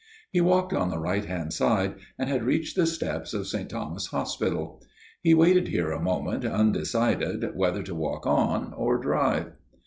He walked on the right hand side, and had reached the steps of St. Thomas' Hospital. He waited here a moment undecided whether to walk on or drive.